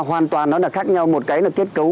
hoàn toàn nó là khác nhau một cái là kết cấu